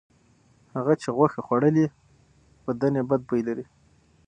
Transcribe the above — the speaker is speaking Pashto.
هغه چې غوښه خوړلې بدن یې بد بوی لري.